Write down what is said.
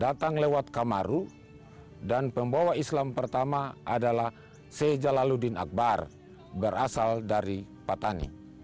datang lewat kamaru dan pembawa islam pertama adalah sejalaluddin akbar berasal dari patani